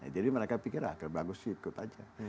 jadi mereka pikir ya bagus sih ikut aja